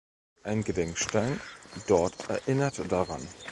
Ein Gedenkstein dort erinnert daran.